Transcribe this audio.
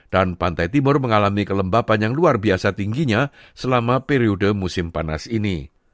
dan pantai timur mengalami kelembapan yang luar biasa tingginya selama periode musim panas ini